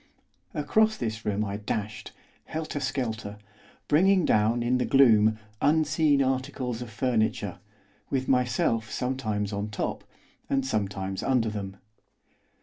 Across this room I dashed, helter skelter, bringing down, in the gloom, unseen articles of furniture, with myself sometimes on top, and sometimes under them.